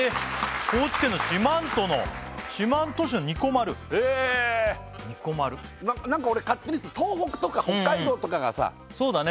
高知県の四万十のへえにこまるなんか俺勝手に東北とか北海道とかがさそうだね